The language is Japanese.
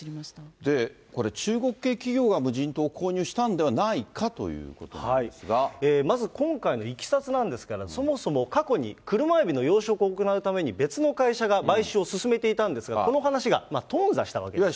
で、これ、中国系企業が無人島を購入したんではないかというまず今回のいきさつなんですが、そもそも過去に車エビの養殖を行うために別の会社が買収を進めていたんですが、この話がとん挫したわけですね。